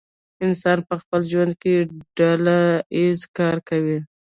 انسان په خپل ژوند کې ډله ایز کار کوي.